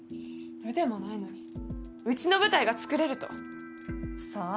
部でもないのにうちの舞台が作れると？さあ？